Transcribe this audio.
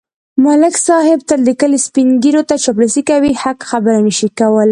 ملک صاحب تل د کلي سپېنږیروته چاپلوسي کوي. حق خبره نشي کولای.